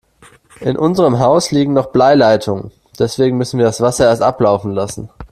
In unserem Haus liegen noch Bleileitungen, deswegen müssen wir das Wasser erst ablaufen lassen.